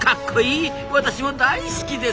私も大好きですぞ！